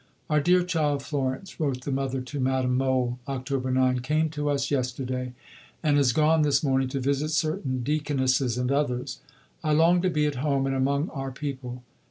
"Our dear child Florence," wrote the mother to Madame Mohl (October 9), "came to us yesterday, and is gone this morning to visit certain Deaconesses and others. I long to be at home and among our people.